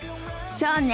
そうね。